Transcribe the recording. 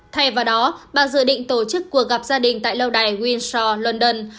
thay vào đó bà dự định tổ chức cuộc gặp gia đình tại lâu đài winstro london